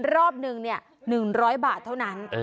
รอบนึง๑๐๐บาทเท่านั้น